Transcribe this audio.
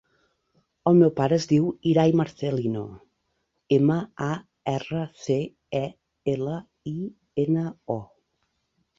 El meu pare es diu Irai Marcelino: ema, a, erra, ce, e, ela, i, ena, o.